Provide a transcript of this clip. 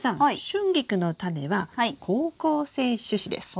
シュンギクのタネは好光性種子です。